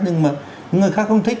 nhưng mà người khác không thích